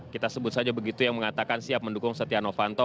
kita sebut saja begitu yang mengatakan siap mendukung setia novanto